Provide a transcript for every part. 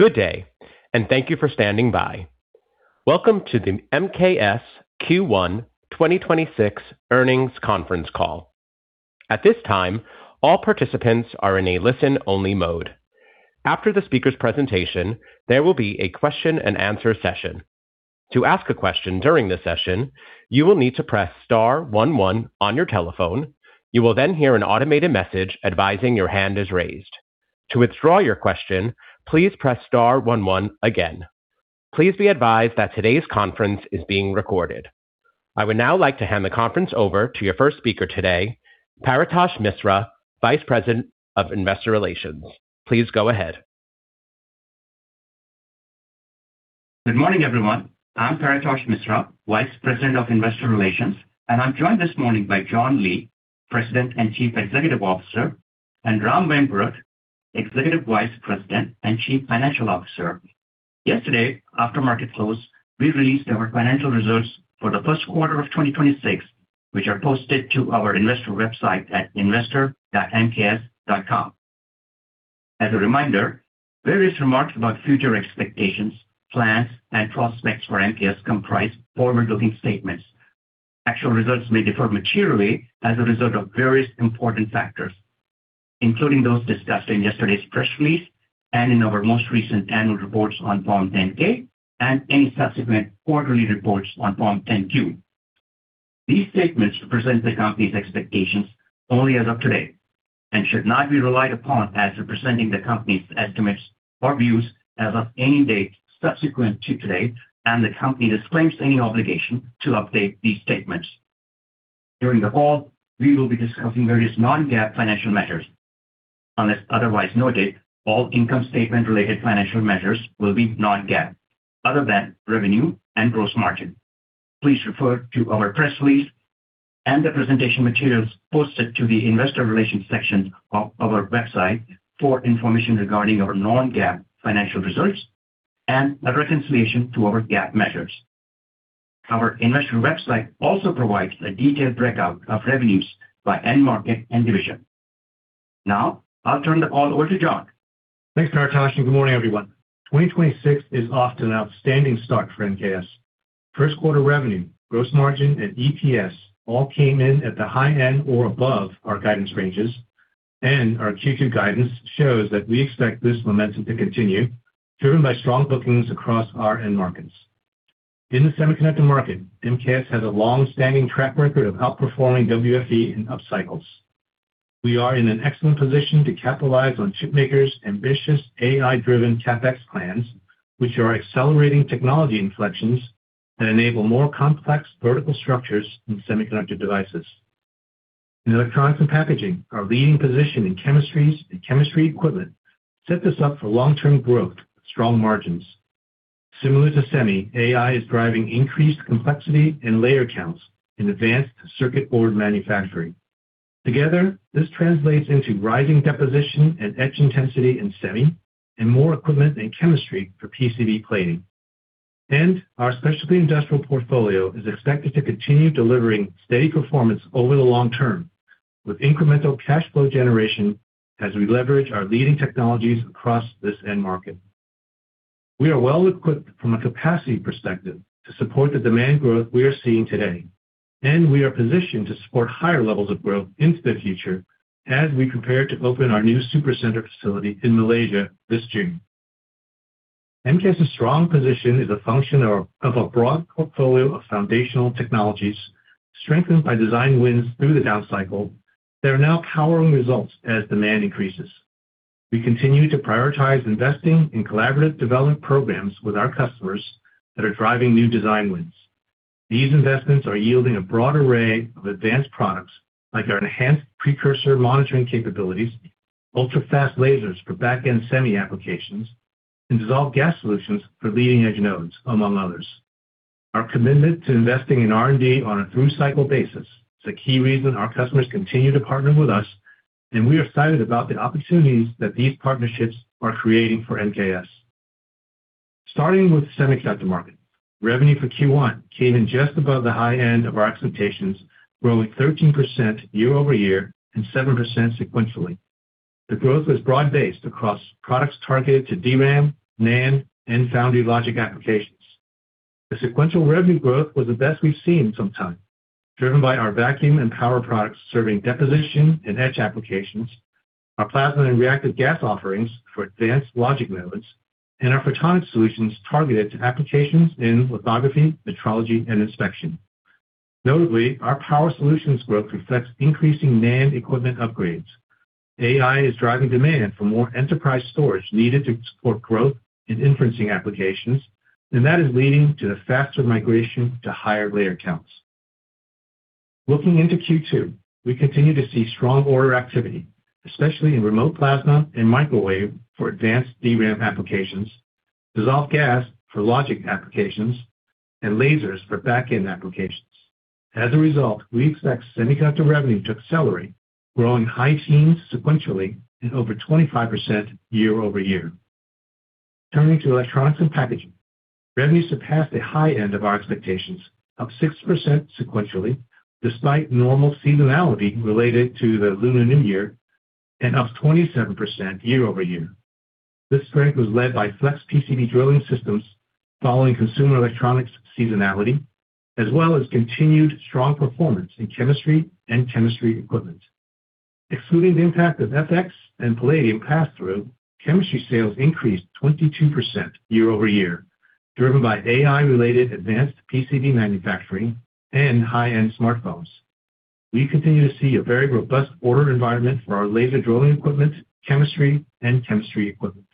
Good day, and thank you for standing by. Welcome to the MKS Q1 2026 Earnings Conference Call. At this time, all participants are in a listen-only mode. After the speaker's presentation, there will be a question-and-answer session. To ask a question during the session, you will need to press star one one on your telephone. You will then hear an automated message advising your hand is raised. To withdraw your question, please press star one one again. Please be advised that today's conference is being recorded. I would now like to hand the conference over to your first speaker today, Paretosh Misra, Vice President of Investor Relations. Please go ahead. Good morning, everyone. I'm Paretosh Misra, Vice President of Investor Relations, and I'm joined this morning by John Lee, President and Chief Executive Officer, and Ram Mayampurath, Executive Vice President and Chief Financial Officer. Yesterday, after market close, we released our financial results for the first quarter of 2026, which are posted to our investor website at investor.mks.com. As a reminder, various remarks about future expectations, plans, and prospects for MKS comprise forward-looking statements. Actual results may differ materially as a result of various important factors, including those discussed in yesterday's press release and in our most recent annual reports on Form 10-K and any subsequent quarterly reports on Form 10-Q. These statements present the company's expectations only as of today and should not be relied upon as representing the company's estimates or views as of any date subsequent to today, and the company disclaims any obligation to update these statements. During the call, we will be discussing various non-GAAP financial measures. Unless otherwise noted, all income statement-related financial measures will be non-GAAP, other than revenue and gross margin. Please refer to our press release and the presentation materials posted to the investor relations section of our website for information regarding our non-GAAP financial results and a reconciliation to our GAAP measures. Our investor website also provides a detailed breakout of revenues by end market and division. Now, I'll turn the call over to John. Thanks, Paretosh, and good morning, everyone. 2026 is off to an outstanding start for MKS. First quarter revenue, gross margin, and EPS all came in at the high end or above our guidance ranges, and our Q2 guidance shows that we expect this momentum to continue, driven by strong bookings across our end markets. In the semiconductor market, MKS has a long-standing track record of outperforming WFE in up cycles. We are in an excellent position to capitalize on chipmakers' ambitious AI-driven CapEx plans, which are accelerating technology inflections that enable more complex vertical structures in semiconductor devices. In electronics and packaging, our leading position in chemistries and chemistry equipment set this up for long-term growth with strong margins. Similar to semi, AI is driving increased complexity and layer counts in advanced circuit board manufacturing. Together, this translates into rising deposition and etch intensity in semi and more equipment and chemistry for PCB plating. Our specialty industrial portfolio is expected to continue delivering steady performance over the long term with incremental cash flow generation as we leverage our leading technologies across this end market. We are well-equipped from a capacity perspective to support the demand growth we are seeing today, and we are positioned to support higher levels of growth into the future as we prepare to open our new Super Center facility in Malaysia this June. MKS' strong position is a function of a broad portfolio of foundational technologies strengthened by design wins through the down cycle that are now powering results as demand increases. We continue to prioritize investing in collaborative development programs with our customers that are driving new design wins. These investments are yielding a broad array of advanced products like our enhanced precursor monitoring capabilities, ultra-fast lasers for back-end semi applications, and dissolved gas solutions for leading-edge nodes, among others. Our commitment to investing in R&D on a through-cycle basis is a key reason our customers continue to partner with us, and we are excited about the opportunities that these partnerships are creating for MKS. Starting with the semiconductor market, revenue for Q1 came in just above the high end of our expectations, growing 13% year-over-year and 7% sequentially. The growth was broad-based across products targeted to DRAM, NAND, and foundry logic applications. The sequential revenue growth was the best we've seen in some time, driven by our vacuum and power products serving deposition and etch applications, our plasma and reactive gas offerings for advanced logic nodes, and our photonics solutions targeted to applications in lithography, metrology, and inspection. Notably, our power solutions growth reflects increasing NAND equipment upgrades. AI is driving demand for more enterprise storage needed to support growth in inferencing applications, and that is leading to the faster migration to higher layer counts. Looking into Q2, we continue to see strong order activity, especially in remote plasma and microwave for advanced DRAM applications, dissolved gas for logic applications, and lasers for back-end applications. As a result, we expect semiconductor revenue to accelerate, growing high teens sequentially and over 25% year-over-year. Turning to electronics and packaging, revenue surpassed the high end of our expectations, up 6% sequentially despite normal seasonality related to the Lunar New Year, and up 27% year-over-year. This strength was led by flex PCB drilling systems following consumer electronics seasonality, as well as continued strong performance in chemistry and chemistry equipment. Excluding the impact of FX and palladium passthrough, chemistry sales increased 22% year-over-year, driven by AI-related advanced PCB manufacturing and high-end smartphones. We continue to see a very robust order environment for our laser drilling equipment, chemistry, and chemistry equipment.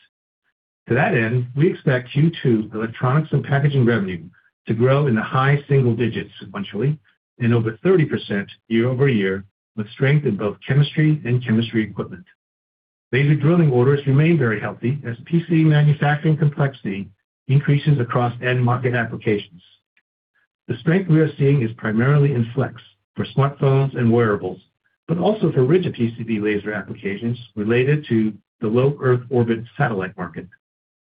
To that end, we expect Q2 electronics and packaging revenue to grow in the high single digits sequentially and over 30% year-over-year, with strength in both chemistry and chemistry equipment. Laser drilling orders remain very healthy as PCB manufacturing complexity increases across end market applications. The strength we are seeing is primarily in flex for smartphones and wearables, but also for rigid PCB laser applications related to the low Earth orbit satellite market.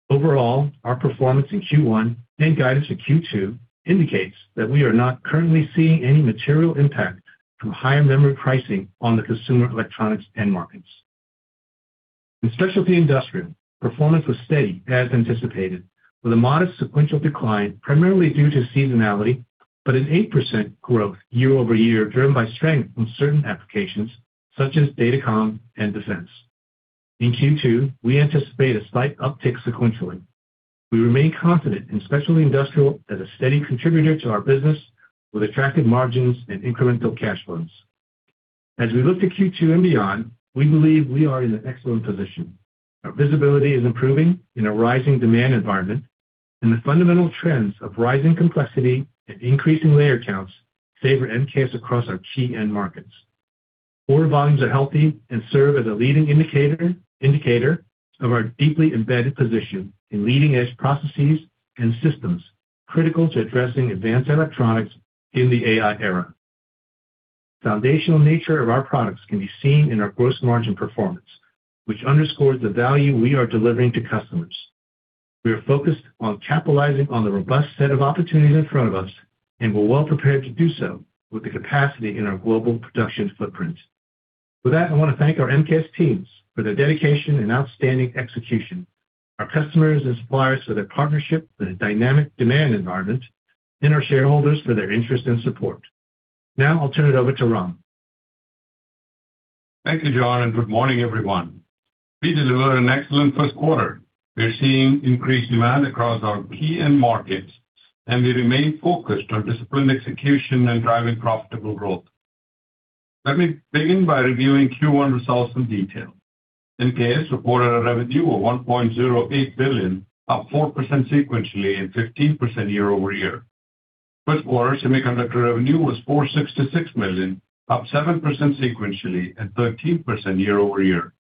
Overall, our performance in Q1 and guidance for Q2 indicates that we are not currently seeing any material impact from higher memory pricing on the consumer electronics end markets. In specialty industrial, performance was steady as anticipated, with a modest sequential decline primarily due to seasonality, but an 8% growth year-over-year, driven by strength in certain applications such as datacom and defense. In Q2, we anticipate a slight uptick sequentially. We remain confident in specialty industrial as a steady contributor to our business with attractive margins and incremental cash flows. As we look to Q2 and beyond, we believe we are in an excellent position. Our visibility is improving in a rising demand environment, and the fundamental trends of rising complexity and increasing layer counts favor MKS across our key end markets. Order volumes are healthy and serve as a leading indicator of our deeply embedded position in leading-edge processes and systems critical to addressing advanced electronics in the AI era. Foundational nature of our products can be seen in our gross margin performance, which underscores the value we are delivering to customers. We are focused on capitalizing on the robust set of opportunities in front of us, and we're well prepared to do so with the capacity in our global production footprint. With that, I want to thank our MKS teams for their dedication and outstanding execution, our customers and suppliers for their partnership in a dynamic demand environment, and our shareholders for their interest and support. Now I'll turn it over to Ram. Thank you, John, and good morning, everyone. We delivered an excellent first quarter. We are seeing increased demand across our key end markets, and we remain focused on disciplined execution and driving profitable growth. Let me begin by reviewing Q1 results in detail. MKS reported a revenue of $1.08 billion, up 4% sequentially and 15% year-over-year. First quarter semiconductor revenue was $466 million, up 7% sequentially and 13% year-over-year.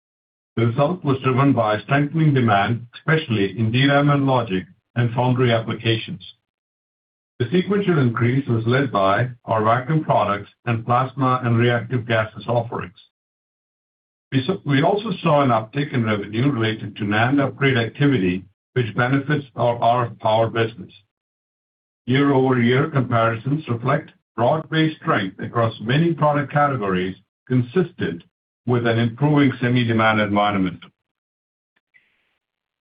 The result was driven by strengthening demand, especially in DRAM and logic and foundry applications. The sequential increase was led by our vacuum products and plasma and reactive gases offerings. We also saw an uptick in revenue related to NAND upgrade activity, which benefits our RF power business. Year-over-year comparisons reflect broad-based strength across many product categories, consistent with an improving semi demand environment.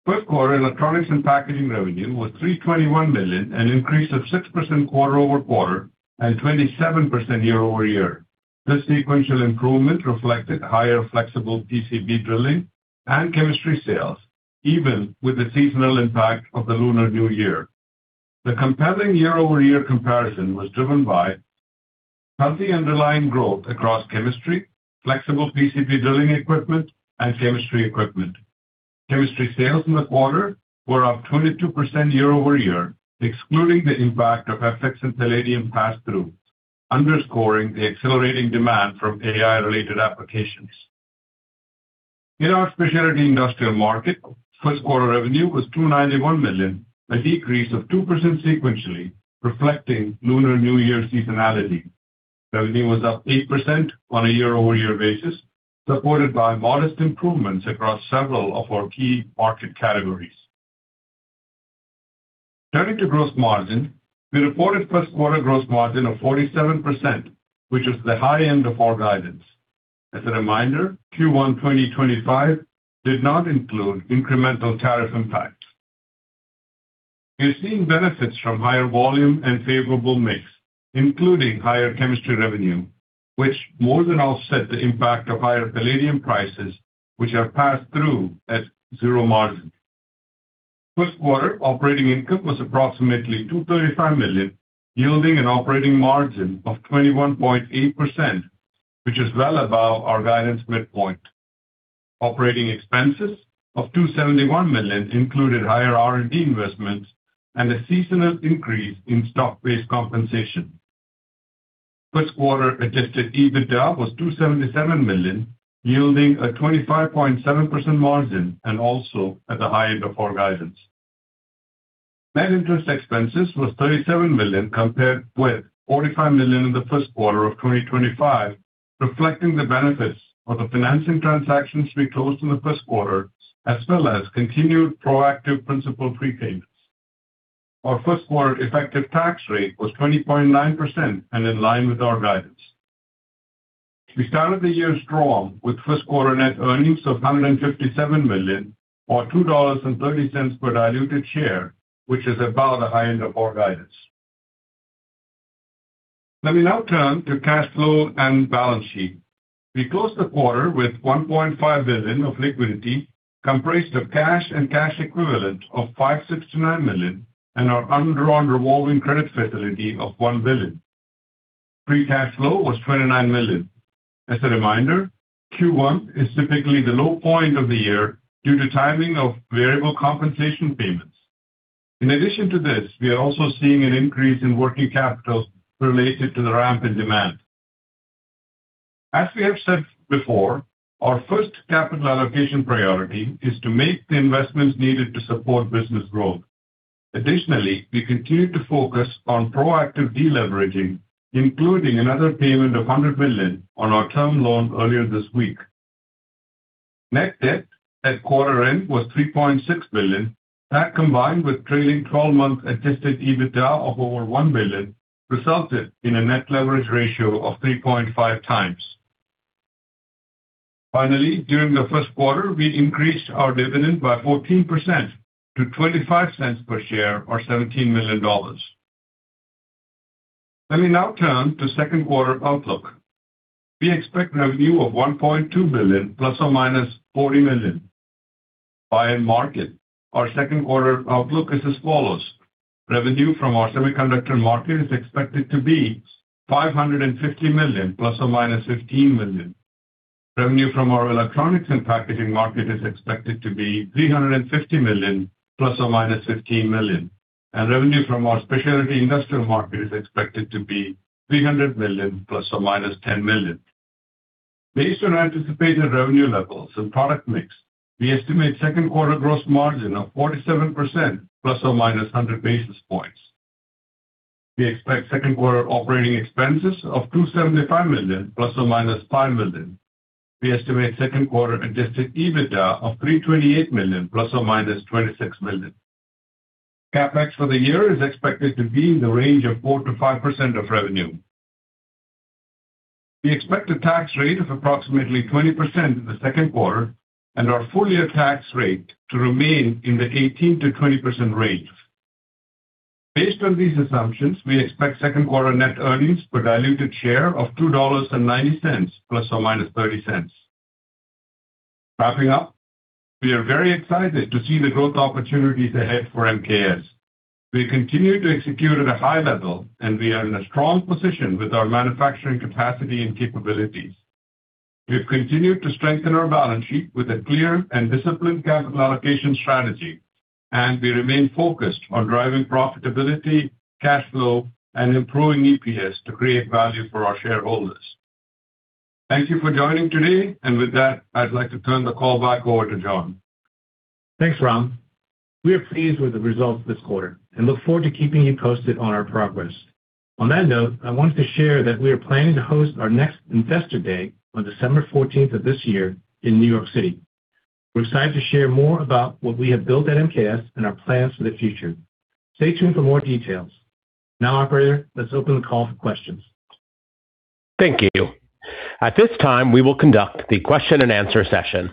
First quarter electronics and packaging revenue was $321 million, an increase of 6% quarter-over-quarter and 27% year-over-year. This sequential improvement reflected higher flexible PCB drilling and chemistry sales, even with the seasonal impact of the Lunar New Year. The compelling year-over-year comparison was driven by healthy underlying growth across chemistry, flexible PCB drilling equipment, and chemistry equipment. Chemistry sales in the quarter were up 22% year-over-year, excluding the impact of FX and palladium passthrough, underscoring the accelerating demand from AI-related applications. In our specialty industrial market, first quarter revenue was $291 million, a decrease of 2% sequentially, reflecting Lunar New Year seasonality. Revenue was up 8% on a year-over-year basis, supported by modest improvements across several of our key market categories. Turning to gross margin, we reported first quarter gross margin of 47%, which is the high end of our guidance. As a reminder, Q1 into 2025 did not include incremental tariff impacts. We are seeing benefits from higher volume and favorable mix, including higher chemistry revenue, which more than offset the impact of higher palladium prices, which are passed through at 0 margin. First quarter operating income was approximately $235 million, yielding an operating margin of 21.8%, which is well above our guidance midpoint. Operating expenses of $271 million included higher R&D investments and a seasonal increase in stock-based compensation. First quarter Adjusted EBITDA was $277 million, yielding a 25.7% margin, and also at the high end of our guidance. Net interest expenses was $37 million, compared with $45 million in the first quarter of 2025. Reflecting the benefits of the financing transactions we closed in the first quarter, as well as continued proactive principal prepayments. Our first quarter effective tax rate was 20.9% and in line with our guidance. We started the year strong with first quarter net earnings of $157 million, or $2.30 per diluted share, which is above the high end of our guidance. Let me now turn to cash flow and balance sheet. We closed the quarter with $1.5 billion of liquidity, comprised of cash and cash equivalents of $569 million, and our undrawn revolving credit facility of $1 billion. Free cash flow was $29 million. As a reminder, Q1 is typically the low point of the year due to timing of variable compensation payments. In addition to this, we are also seeing an increase in working capital related to the ramp in demand. As we have said before, our first capital allocation priority is to make the investments needed to support business growth. Additionally, we continue to focus on proactive deleveraging, including another payment of $100 million on our term loan earlier this week. Net debt at quarter end was $3.6 billion. That combined with trailing 12-month Adjusted EBITDA of over $1 billion resulted in a net leverage ratio of 3.5x. Finally, during the first quarter, we increased our dividend by 14% to $0.25 per share, or $17 million. Let me now turn to second quarter outlook. We expect revenue of $1.2 billion ±$40 million. By end market, our second quarter outlook is as follows: Revenue from our Semiconductor markets expected to be $550 million ±$15 million. Revenue from our electronics and packaging market is expected to be $350 million ±$15 million. Revenue from our Specialty Industrial market is expected to be $300 million ±$10 million. Based on anticipated revenue levels and product mix, we estimate second quarter gross margin of 47% ±100 basis points. We expect second quarter operating expenses of $275 million ±$5 million. We estimate second quarter Adjusted EBITDA of $328 million ±$26 million. CapEx for the year is expected to be in the range of 4%-5% of revenue. We expect a tax rate of approximately 20% in the second quarter and our full year tax rate to remain in the 18%-20% range. Based on these assumptions, we expect second quarter net earnings per diluted share of $2.90 ±$0.30. Wrapping up, we are very excited to see the growth opportunities ahead for MKS. We continue to execute at a high level, and we are in a strong position with our manufacturing capacity and capabilities. We've continued to strengthen our balance sheet with a clear and disciplined capital allocation strategy, and we remain focused on driving profitability, cash flow, and improving EPS to create value for our shareholders. Thank you for joining today. With that, I'd like to turn the call back over to John. Thanks, Ram. We are pleased with the results this quarter and look forward to keeping you posted on our progress. On that note, I wanted to share that we are planning to host our next Investor Day on December 14th of this year in New York City. We're excited to share more about what we have built at MKS and our plans for the future. Stay tuned for more details. Now, operator, let's open the call for questions. Thank you. At this time, we will conduct the question-and-answer session.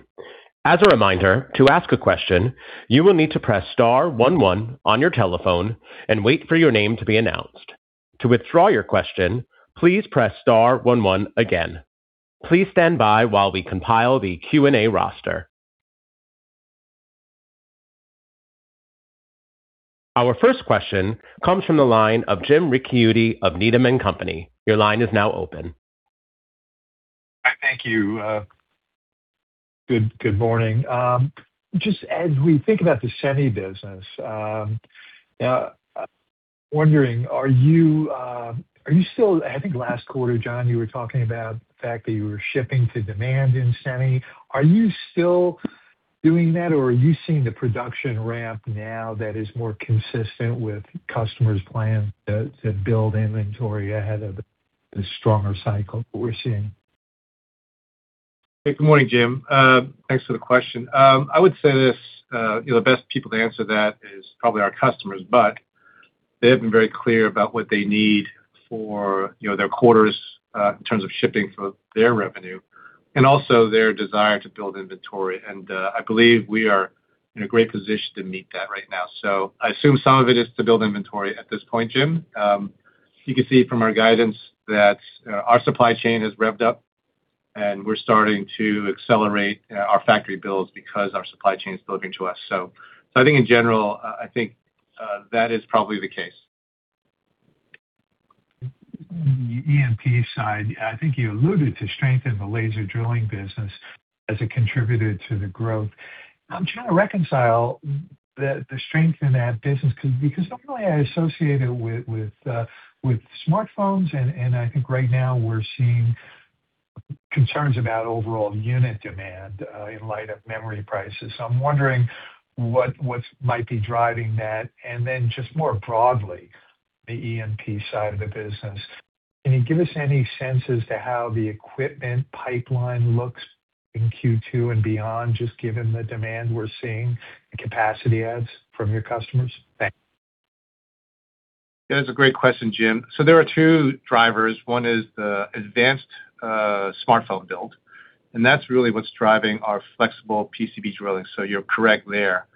As a reminder, to ask a question, you will need to press star one one on your telephone and wait for your name to be announced. To withdraw your question, please press star one one again. Please standby while we compile the Q&A roaster. Our first question comes from the line of James Ricchiuti of Needham & Company. Thank you. Good morning. Just as we think about the semi business, wondering are you still I think last quarter, John, you were talking about the fact that you were shipping to demand in semi. Are you still doing that, or are you seeing the production ramp now that is more consistent with customers' plans to build inventory ahead of the stronger cycle we're seeing? Hey, good morning, Jim. Thanks for the question. I would say this, you know, the best people to answer that is probably our customers, but they have been very clear about what they need for, you know, their quarters in terms of shipping for their revenue and also their desire to build inventory. I believe we are in a great position to meet that right now. I assume some of it is to build inventory at this point, Jim. You can see from our guidance that our supply chain has revved up and we're starting to accelerate our factory builds because our supply chain is delivering to us. I think in general, I think that is probably the case. The E&P side, I think you alluded to strength in the laser drilling business as it contributed to the growth. I'm trying to reconcile the strength in that business because normally I associate it with smartphones, and I think right now we're seeing concerns about overall unit demand in light of memory prices. I'm wondering what might be driving that. Just more broadly, the E&P side of the business, can you give us any sense as to how the equipment pipeline looks in Q2 and beyond, just given the demand we're seeing and capacity adds from your customers? Thanks. That is a great question, Jim. There are two drivers. One is the advanced smartphone build, and that's really what's driving our flexible PCB drilling. You're correct there.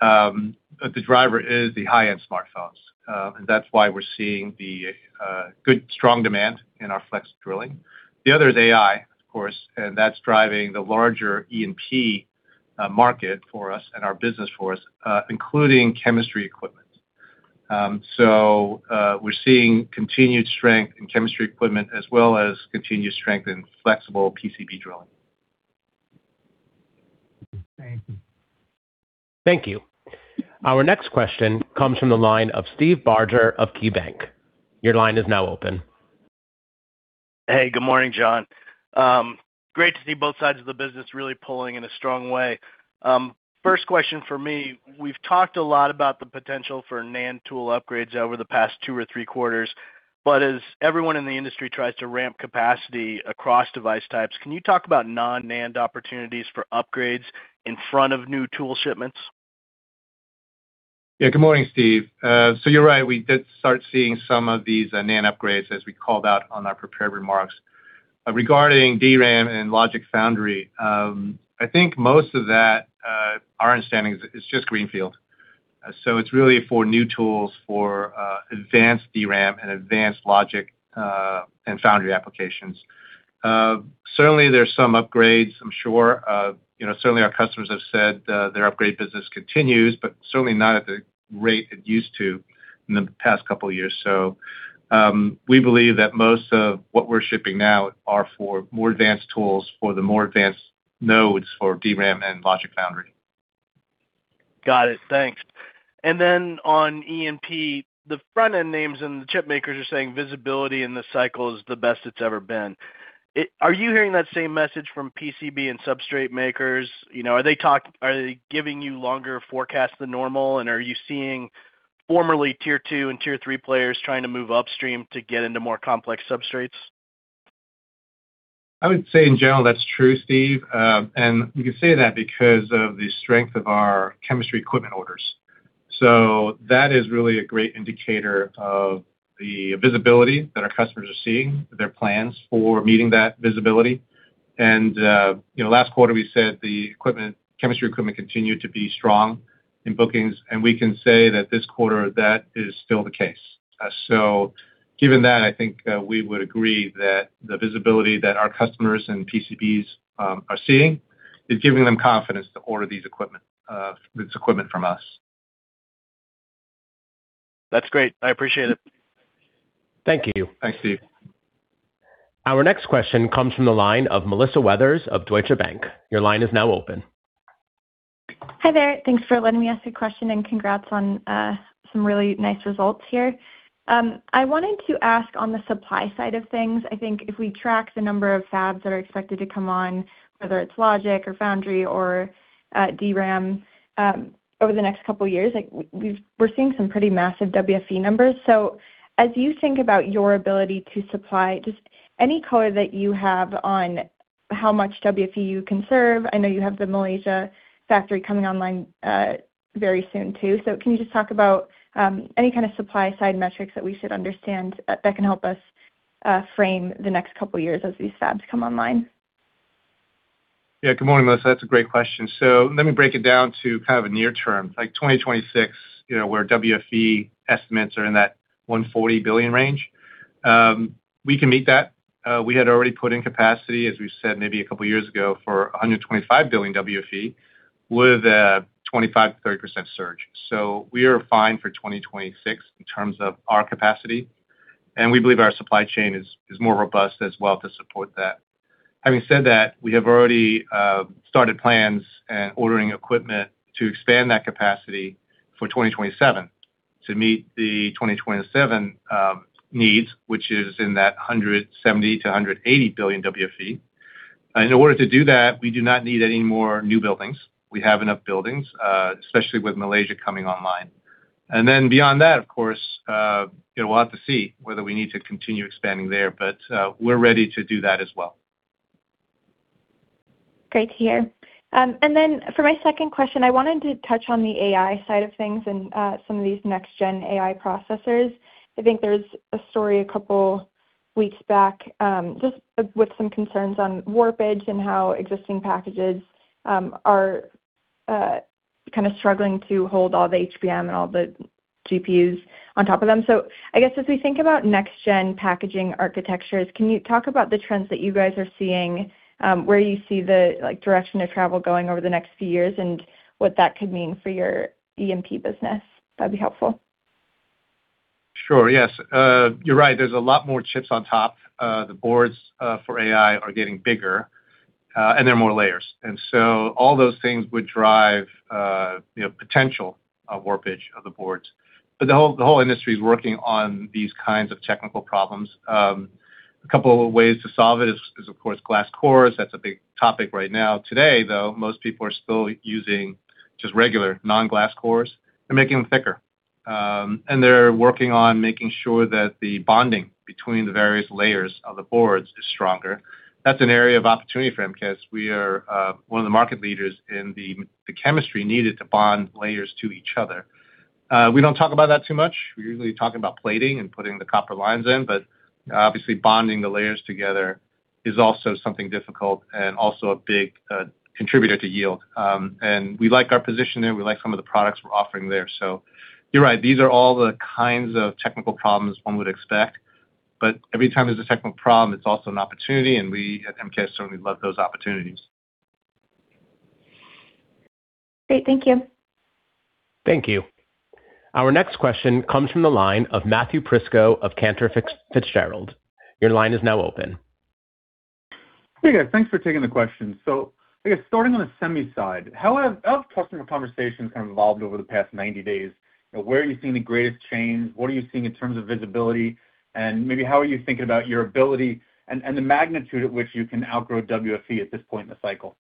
The driver is the high-end smartphones, and that's why we're seeing the good strong demand in our flex drilling. The other is AI, of course, and that's driving the larger E&P market for us and our business for us, including chemistry equipment. We're seeing continued strength in chemistry equipment as well as continued strength in flexible PCB drilling. Thank you. Thank you. Our next question comes from the line of Steve Barger of KeyBanc. Your line is now open. Hey, good morning, John. Great to see both sides of the business really pulling in a strong way. First question for me, we've talked a lot about the potential for NAND tool upgrades over the past two or three quarters. As everyone in the industry tries to ramp capacity across device types, can you talk about non-NAND opportunities for upgrades in front of new tool shipments? Good morning, Steve. You're right. We did start seeing some of these NAND upgrades, as we called out on our prepared remarks. Regarding DRAM and logic foundry, I think most of that, our understanding is just greenfield. It's really for new tools for advanced DRAM and advanced logic, and foundry applications. Certainly there's some upgrades, I'm sure. You know, certainly our customers have said, their upgrade business continues, but certainly not at the rate it used to in the past couple years. We believe that most of what we're shipping now are for more advanced tools for the more advanced nodes for DRAM and logic foundry. Got it. Thanks. Then on E&P, the front-end names and the chip makers are saying visibility in this cycle is the best it's ever been. Are you hearing that same message from PCB and substrate makers? You know, are they giving you longer forecasts than normal, and are you seeing formerly tier two and tier three players trying to move upstream to get into more complex substrates? I would say in general that's true, Steve. We can say that because of the strength of our chemistry equipment orders. That is really a great indicator of the visibility that our customers are seeing, their plans for meeting that visibility. Last quarter we said the equipment, chemistry equipment continued to be strong in bookings, and we can say that this quarter that is still the case. Given that, I think, we would agree that the visibility that our customers and PCBs are seeing is giving them confidence to order this equipment from us. That's great. I appreciate it. Thank you. Thanks, Steve. Our next question comes from the line of Melissa Weathers of Deutsche Bank. Your line is now open. Hi there. Thanks for letting me ask a question, congrats on some really nice results here. I wanted to ask on the supply side of things, I think if we track the number of fabs that are expected to come on, whether it's logic or foundry or DRAM, over the next two years, like we're seeing some pretty massive WFE numbers. As you think about your ability to supply, just any color that you have on how much WFE you can serve. I know you have the Malaysia factory coming online very soon too. Can you just talk about any kind of supply side metrics that we should understand that can help us frame the next couple years as these fabs come online? Good morning, Melissa. That's a great question. Let me break it down to kind of a near term, like 2026, you know, where WFE estimates are in that $140 billion range. We can meet that. We had already put in capacity, as we said maybe a couple of years ago, for $125 billion WFE with a 25%-30% surge. We are fine for 2026 in terms of our capacity, and we believe our supply chain is more robust as well to support that. Having said that, we have already started plans and ordering equipment to expand that capacity for 2027 to meet the 2027 needs, which is in that $170 billion-$180 billion WFE. In order to do that, we do not need any more new buildings. We have enough buildings, especially with Malaysia coming online. Beyond that, of course, you know, we'll have to see whether we need to continue expanding there, but we're ready to do that as well. Great to hear. Then for my second question, I wanted to touch on the AI side of things and some of these next gen AI processors. I think there was a story a couple weeks back with some concerns on warpage and how existing packages are kind of struggling to hold all the HBM and all the GPUs on top of them. I guess as we think about next gen packaging architectures, can you talk about the trends that you guys are seeing, where you see the, like, direction of travel going over the next few years and what that could mean for your E&P business? That'd be helpful. Sure. Yes. You're right. There's a lot more chips on top. The boards for AI are getting bigger, and there are more layers. All those things would drive, you know, potential warpage of the boards. The whole industry is working on these kinds of technical problems. A couple of ways to solve it is of course, glass cores. That's a big topic right now. Today, though, most people are still using just regular non-glass cores and making them thicker. They're working on making sure that the bonding between the various layers of the boards is stronger. That's an area of opportunity for them 'cause we are one of the market leaders in the chemistry needed to bond layers to each other. We don't talk about that too much. We usually talk about plating and putting the copper lines in, but obviously bonding the layers together is also something difficult and also a big contributor to yield. We like our position there. We like some of the products we're offering there. You're right, these are all the kinds of technical problems one would expect, but every time there's a technical problem, it's also an opportunity, and we at MKS certainly love those opportunities. Great. Thank you. Thank you. Our next question comes from the line of Matthew Prisco of Cantor Fitzgerald. Your line is now open. Hey, guys. Thanks for taking the question. I guess starting on the semi side, how have customer conversations kind of evolved over the past 90 days? You know, where are you seeing the greatest change? What are you seeing in terms of visibility? Maybe how are you thinking about your ability and the magnitude at which you can outgrow WFE at this point in the cycle?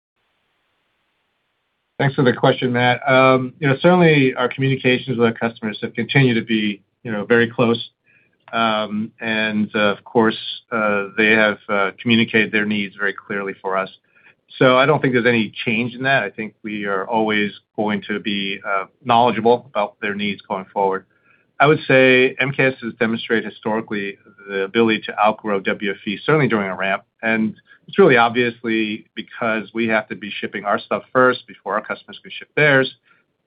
Thanks for the question, Matt. You know, certainly our communications with our customers have continued to be, you know, very close. And of course, they have communicated their needs very clearly for us. I don't think there's any change in that. I think we are always going to be knowledgeable about their needs going forward. I would say MKS has demonstrated historically the ability to outgrow WFE, certainly during a ramp, and it's really obviously because we have to be shipping our stuff first before our customers can ship theirs.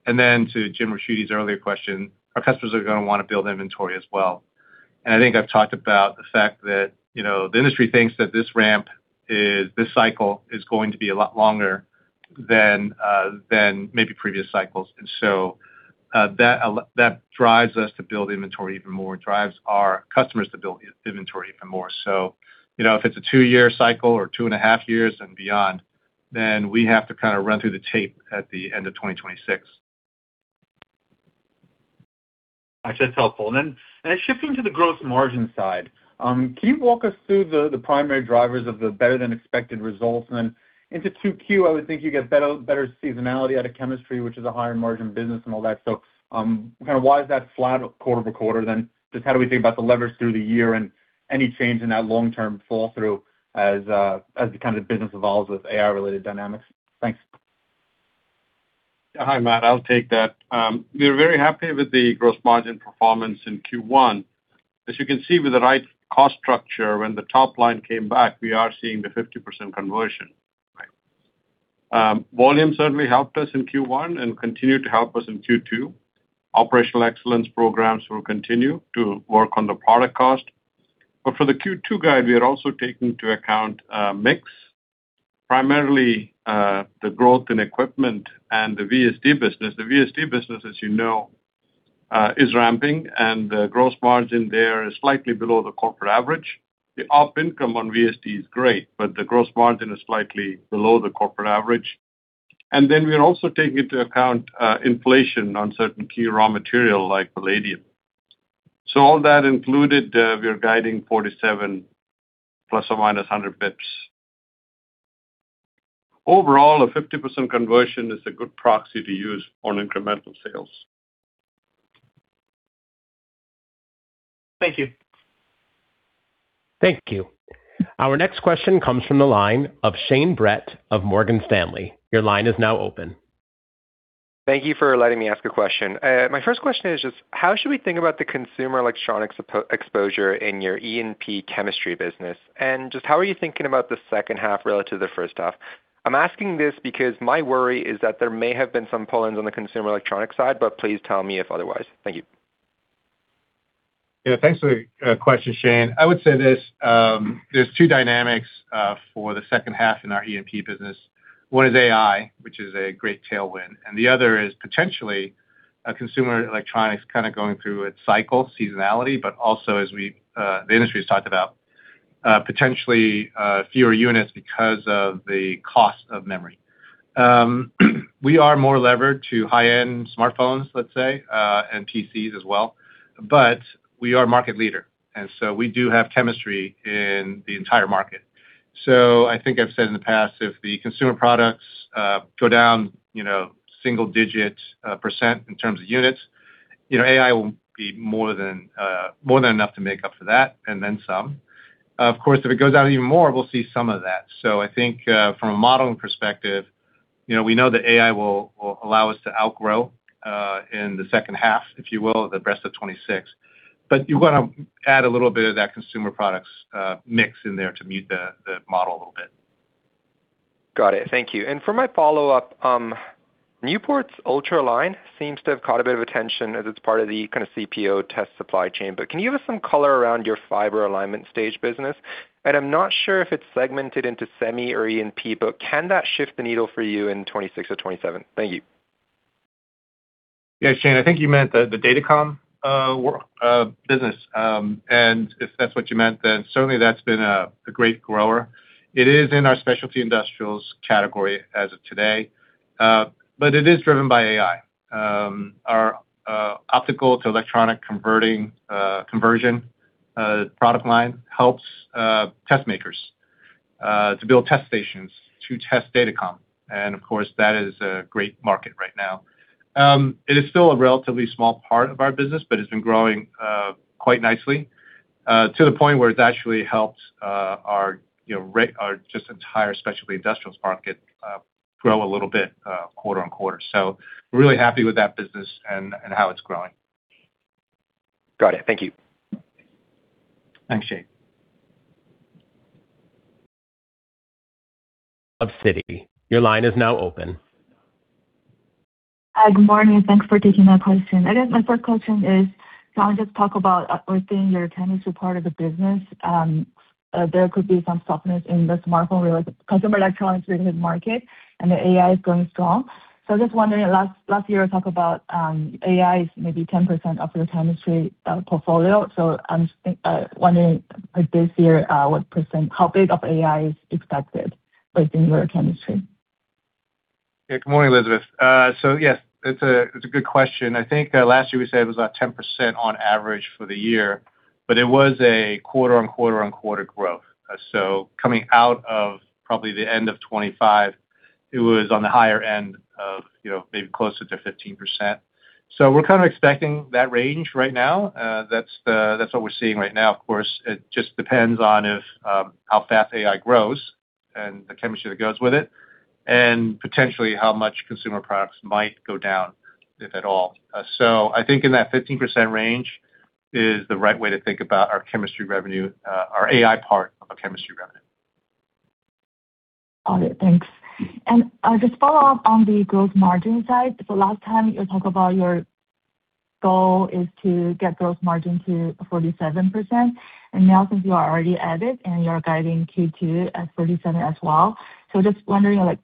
Then to James Ricchiuti's earlier question, our customers are gonna wanna build inventory as well. I think I've talked about the fact that, you know, the industry thinks that this cycle is going to be a lot longer than maybe previous cycles. That drives us to build inventory even more. It drives our customers to build in-inventory even more. You know, if it's a two-year cycle or 2.5 Years and beyond, then we have to kind of run through the tape at the end of 2026. Actually, that's helpful. Shifting to the gross margin side, can you walk us through the primary drivers of the better than expected results? Into 2Q, I would think you get better seasonality out of chemistry, which is a higher margin business and all that. Kind of why is that flat quarter-over-quarter then? Just how do we think about the leverage through the year and any change in that long-term fall through as the kind of business evolves with AI-related dynamics? Thanks. Hi, Matt. I'll take that. We're very happy with the gross margin performance in Q1. As you can see, with the right cost structure, when the top line came back, we are seeing the 50% conversion. Volume certainly helped us in Q1 and continued to help us in Q2. Operational excellence programs will continue to work on the product cost. For the Q2 guide, we are also taking into account, mix, primarily, the growth in equipment and the VSD business. The VSD business, as you know, is ramping, and the gross margin there is slightly below the corporate average. The op income on VSD is great. The gross margin is slightly below the corporate average. We are also taking into account, inflation on certain key raw material like palladium. All that included, we are guiding 47 ±100 basis points. Overall, a 50% conversion is a good proxy to use on incremental sales. Thank you. Thank you. Our next question comes from the line of Shane Brett of Morgan Stanley. Your line is now open Thank you for letting me ask a question. My first question is just how should we think about the consumer electronics exposure in your E&P chemistry business? Just how are you thinking about the second half relative to the first half? I'm asking this because my worry is that there may have been some pull-ins on the consumer electronics side, but please tell me if otherwise. Thank you. Yeah. Thanks for the question, Shane. I would say this, there's two dynamics for the second half in our E&P business. One is AI, which is a great tailwind. The other is potentially a consumer electronics kind of going through its cycle seasonality, also as we, the industry has talked about, potentially fewer units because of the cost of memory. We are more levered to high-end smartphones, let's say, PCs as well. We are market leader, we do have chemistry in the entire market. I think I've said in the past, if the consumer products go down, you know, single digit % in terms of units, you know, AI will be more than enough to make up for that, and then some. Of course, if it goes down even more, we'll see some of that. I think, from a modeling perspective, you know, we know that AI will allow us to outgrow, in the second half, if you will, the rest of 2026. You wanna add a little bit of that consumer products mix in there to meet the model a little bit. Got it. Thank you. For my follow-up, Newport's ULTRAlign seems to have caught a bit of attention as it's part of the kind of CPO test supply chain, but can you give us some color around your fiber alignment stage business? I'm not sure if it's segmented into semi or E&P, but can that shift the needle for you in 2026 or 2027? Thank you. Shane, I think you meant the datacom business. If that's what you meant, then certainly that's been a great grower. It is in our specialty industrials category as of today, but it is driven by AI. Our optical to electronic converting conversion product line helps test makers to build test stations to test datacom. Of course, that is a great market right now. It is still a relatively small part of our business, but it's been growing quite nicely to the point where it's actually helped our, you know, our just entire specialty industrials market grow a little bit quarter-on-quarter. We're really happy with that business and how it's growing. Got it. Thank you. Thanks, Shane. Of Citi, your line is now open. Hi. Good morning. Thanks for taking my question. I guess my first question is, can you just talk about updating your chemistry part of the business? There could be some softness in the smartphone consumer electronics related market and the AI is going strong. Just wondering, last year, you talked about AI is maybe 10% of your chemistry portfolio. I'm just wondering like this year, how big of AI is expected within your chemistry? Good morning, Elizabeth. Yes, it's a good question. I think last year we said it was about 10% on average for the year, but it was a quarter-on-quarter-on-quarter growth. Coming out of probably the end of 2025, it was on the higher end of, you know, maybe closer to 15%. We're kind of expecting that range right now. That's what we're seeing right now. Of course, it just depends on if, how fast AI grows and the chemistry that goes with it, and potentially how much consumer products might go down, if at all. I think in that 15% range is the right way to think about our chemistry revenue, our AI part of our chemistry revenue. Got it. Thanks. Just follow up on the gross margin side. The last time you talk about your goal is to get gross margin to 47%, since you are already at it and you're guiding Q2 at 47% as well. Just wondering, like,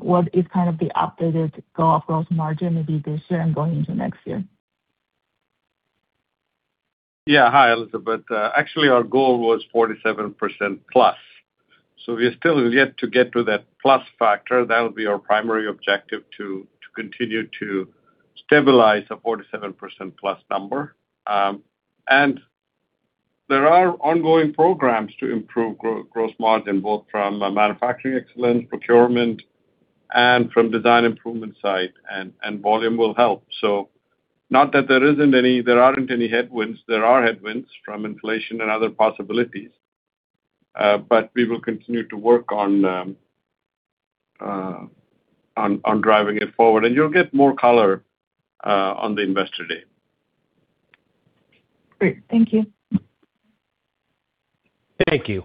what is kind of the updated goal of gross margin maybe this year and going into next year? Yeah. Hi, Elizabeth. Actually our goal was 47%+. We are still yet to get to that plus factor. That'll be our primary objective to continue to stabilize a 47%+ number. There are ongoing programs to improve gross margin, both from a manufacturing excellence, procurement, and from design improvement side, and volume will help. Not that there aren't any headwinds, there are headwinds from inflation and other possibilities, we will continue to work on driving it forward. You'll get more color on the Investor Day. Great. Thank you. Thank you.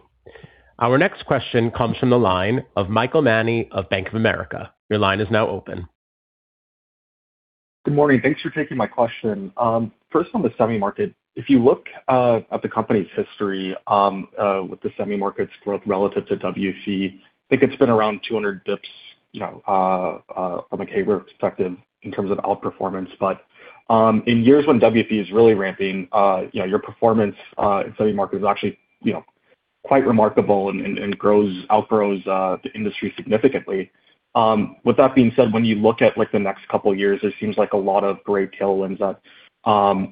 Our next question comes from the line of Michael Mani of Bank of America. Your line is now open. Good morning. Thanks for taking my question. First on the semi market, if you look at the company's history, with the semi market's growth relative to WFE, I think it's been around 200 basis points from a CAGR work perspective in terms of outperformance. In years when WFE is really ramping, your performance in semi market is actually quite remarkable and outgrows the industry significantly. With that being said, when you look at like the next couple of years, there seems like a lot of great tailwinds that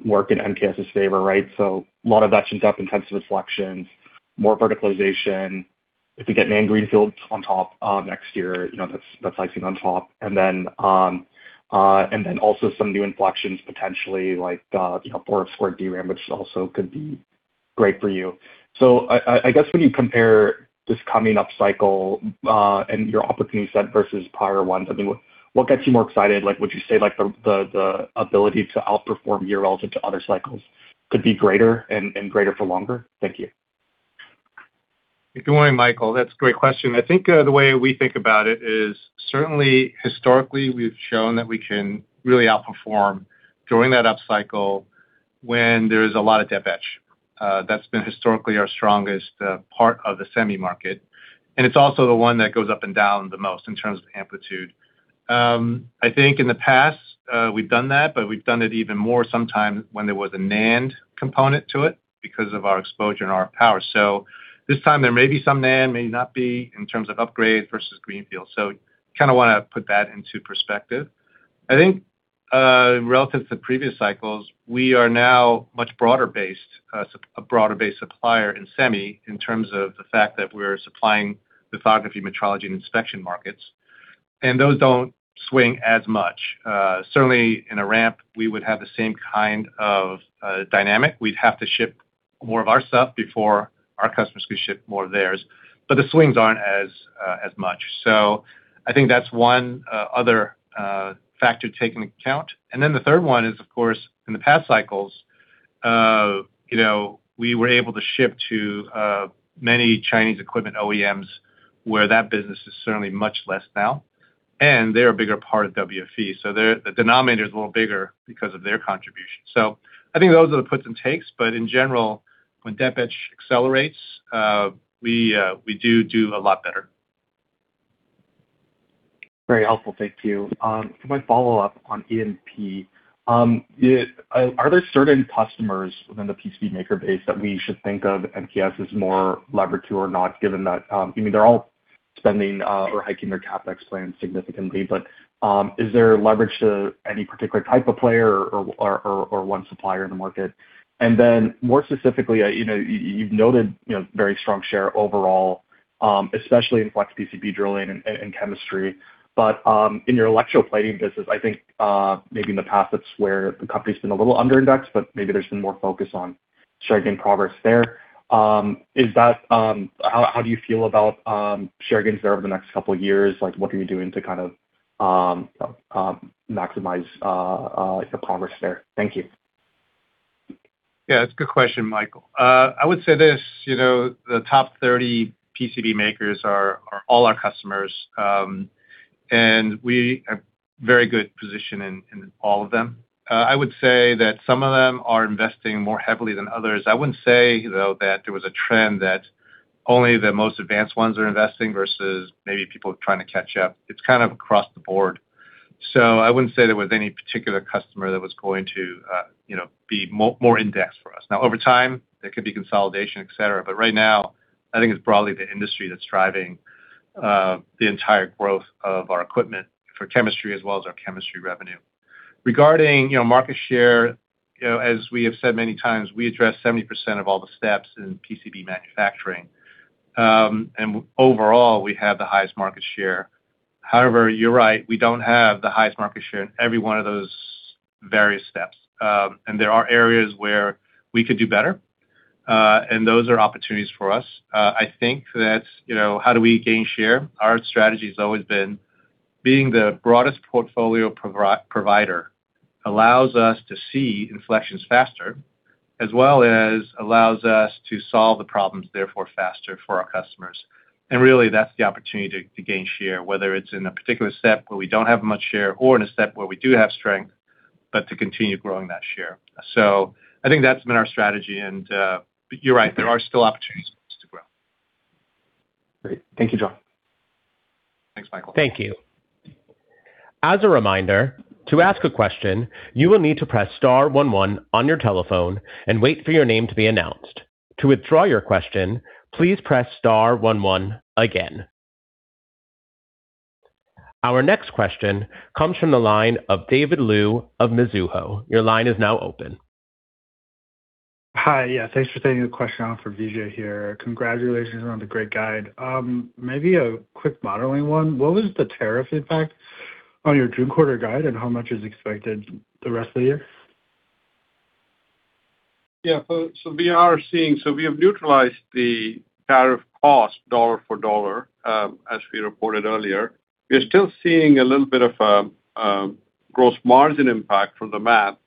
work in MKS's favor, right? A lot of that etch and dep intensive inflections, more verticalization. If we get NAND greenfields on top, next year, that's icing on top. Also some new inflections potentially like, you know, 4F-squared DRAM, which also could be great for you. I guess when you compare this coming up cycle and your opportunity set versus prior ones, I mean, what gets you more excited? Like, would you say like the ability to outperform year relative to other cycles could be greater and greater for longer? Thank you. Good morning, Michael. That's a great question. I think the way we think about it is certainly historically, we've shown that we can really outperform during that upcycle when there's a lot of deep, etch. That's been historically our strongest part of the semi market, and it's also the one that goes up and down the most in terms of amplitude. I think in the past, we've done that, but we've done it even more sometime when there was a NAND component to it because of our exposure and our power. This time there may be some NAND, may not be in terms of upgrade versus greenfield. Kind of wanna put that into perspective. I think, relative to previous cycles, we are now much broader based, a broader base supplier in semi in terms of the fact that we're supplying lithography, metrology, and inspection markets, and those don't swing as much. Certainly in a ramp, we would have the same kind of dynamic. We'd have to ship more of our stuff before our customers could ship more of theirs. The swings aren't as much. I think that's one other factor to take into account. The third one is, of course, in the past cycles, you know, we were able to ship to many Chinese equipment OEMs, where that business is certainly much less now, and they're a bigger part of WFE. The denominator is a little bigger because of their contribution. I think those are the puts and takes, but in general, when dep accelerates, we do a lot better. Very helpful. Thank you. For my follow-up on E&P, are there certain customers within the PC maker base that we should think of MKS as more levered to or not, given that, I mean, they're all spending or hiking their CapEx plans significantly. Is there leverage to any particular type of player or one supplier in the market? More specifically, you know, you've noted, you know, very strong share overall, especially in flex PCB drilling and chemistry. In your electroplating business, I think, maybe in the past that's where the company's been a little underindexed, but maybe there's been more focus on share gain progress there. Is that, how do you feel about share gains there over the next couple years? Like, what are you doing to kind of, maximize, the progress there? Thank you. Yeah, it's a good question, Michael. I would say this, you know, the top 30 PCB makers are all our customers, and we have very good position in all of them. I would say that some of them are investing more heavily than others. I wouldn't say, though, that there was a trend that only the most advanced ones are investing versus maybe people trying to catch up. It's kind of across the board. I wouldn't say there was any particular customer that was going to, you know, be more indexed for us. Now, over time, there could be consolidation, et cetera, but right now, I think it's broadly the industry that's driving the entire growth of our equipment for chemistry as well as our chemistry revenue. Regarding, you know, market share, you know, as we have said many times, we address 70% of all the steps in PCB manufacturing. Overall, we have the highest market share. However, you're right, we don't have the highest market share in every one of those various steps. There are areas where we could do better, and those are opportunities for us. I think that, you know, how do we gain share? Our strategy has always been being the broadest portfolio provider allows us to see inflections faster, as well as allows us to solve the problems therefore faster for our customers. Really, that's the opportunity to gain share, whether it's in a particular step where we don't have much share or in a step where we do have strength, but to continue growing that share. I think that's been our strategy and, but you're right, there are still opportunities to grow. Great. Thank you, John. Thanks, Michael. Thank you. As a reminder, to ask a question, you will need to press star one one on your telephone and wait for your name to be announced. To withdraw your question, please press star one one again. Our next question comes from the line of David Lu of Mizuho. Your line is now open. Hi. Yeah, thanks for taking the question. I'm from Vijay here. Congratulations on the great guide. Maybe a quick modeling one. What was the tariff impact on your June quarter guide, and how much is expected the rest of the year? We have neutralized the tariff cost dollar for dollar, as we reported earlier. We are still seeing a little bit of a gross margin impact from the passthrough,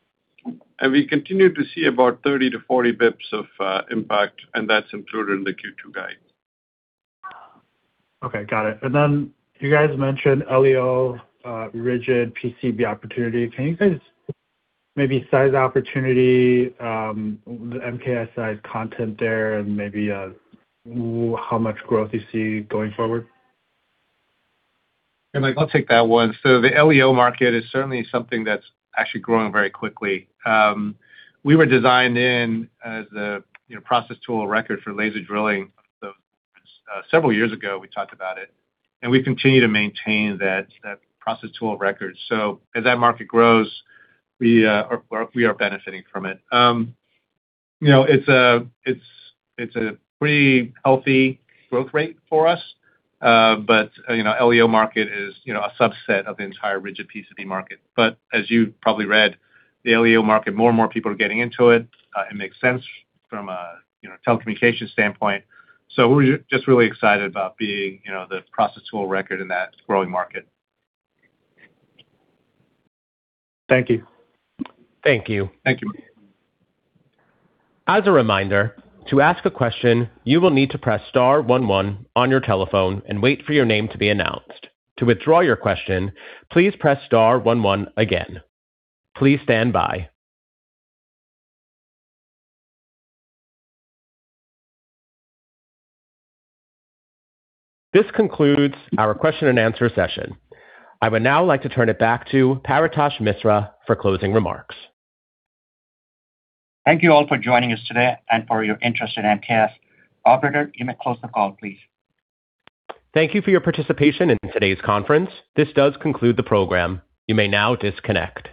and we continue to see about 30 basis points to 40 basis points of impact, and that's included in the Q2 guide. Okay, got it. You guys mentioned LEO rigid PCB opportunity. Can you guys maybe size the opportunity, the MKSI content there and maybe how much growth you see going forward? Yeah, David, I'll take that one. The LEO market is certainly something that's actually growing very quickly. We were designed in as a, you know, process tool of record for laser drilling. Several years ago, we talked about it, and we continue to maintain that process tool of record. As that market grows, we are benefiting from it. You know, it's a pretty healthy growth rate for us. You know, LEO market is, you know, a subset of the entire rigid PCB market. As you probably read, the LEO market, more and more people are getting into it. It makes sense from a, you know, telecommunications standpoint. We're just really excited about being, you know, the process tool record in that growing market. Thank you. Thank you. Thank you. As a reminder, to ask a question, you will need to press star one one on your telephone and wait for your name to be announced. To withdraw your question, please press star one one again. Please standby. This concludes our question and answer session. I would now like to turn it back to Paretosh Misra for closing remarks. Thank you all for joining us today and for your interest in MKS. Operator, you may close the call, please. Thank you for your participation in today's conference. This does conclude the program. You may now disconnect.